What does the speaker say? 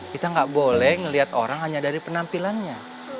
kita gak boleh ngeliat orang hanya dari penampilannya